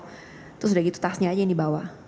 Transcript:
terus sudah gitu tasnya saja yang dibawa